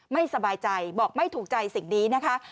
ไม่สบายใจบอกไม่ถูกใจสิ่งนี้นะคะ